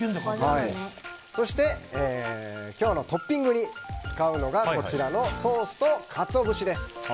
そして今日のトッピングに使うのがこちらのソースとカツオ節です。